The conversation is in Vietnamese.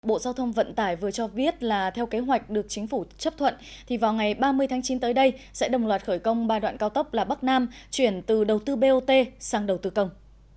bộ giao thông vận tải vừa cho biết là theo kế hoạch được chính phủ chấp thuận thì vào ngày ba mươi tháng chín tới đây sẽ đồng loạt khởi công ba đoạn cao tốc là bắc nam chuyển từ đầu tư bot sang đầu tư công